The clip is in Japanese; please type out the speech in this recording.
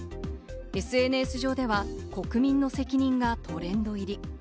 ＳＮＳ上では国民の責任がトレンド入り。